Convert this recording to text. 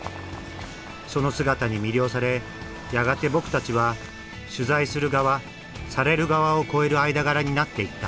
その姿に魅了されやがて僕たちは取材する側される側を超える間柄になっていった。